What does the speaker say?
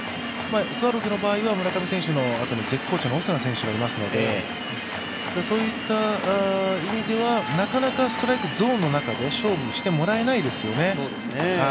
スワローズの場合は村上選手のあとに絶好調のオスナ選手がいますのでそういった意味では、なかなかストライクゾーンの中で勝負してもらえないですよね。